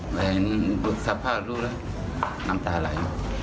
เห็นสัปดาห์รู้แล้วน้ำตาหลาย